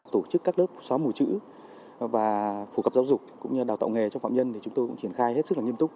tổ chức các lớp xóa mù chữ và phổ cập giáo dục cũng như đào tạo nghề cho phạm nhân thì chúng tôi cũng triển khai hết sức là nghiêm túc